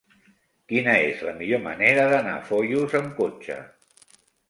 Quina és la millor manera d'anar a Foios amb cotxe?